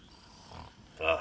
ああ。